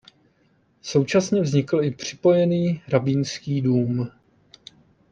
Současně vznikl i připojený rabínský dům.